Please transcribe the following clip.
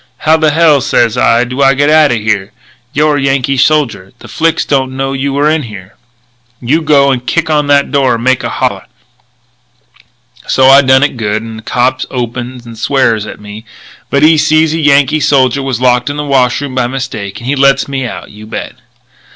"'How the hell,' sez I, 'do I get out of here?' 'You're a Yankee soldier. The Flics don't know you were in here. You go and kick on that door and make a holler.' "So I done it good; and a cop opens and swears at me, but when he sees a Yankee soldier was locked in the wash room by mistake, he lets me out, you bet."